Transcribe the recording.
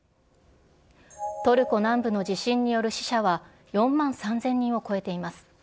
トルコ南部の地震による死者は４万３０００人を超えています。